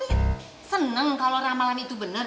tapi seneng kalau ramalan itu bener